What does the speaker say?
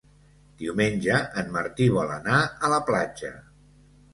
Diumenge en Martí vol anar a la platja.